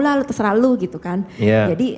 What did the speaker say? lah terserah lo gitu kan iya jadi